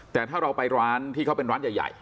แต่ถ้าเราไปร้านที่เขาเป็นร้านใหญ่